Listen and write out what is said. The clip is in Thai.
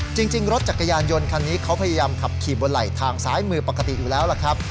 จริงรถจักรยานยนต์คันนี้เขาพยายามขับขี่บนไหล่ทางซ้ายมือปกติอยู่แล้วล่ะครับ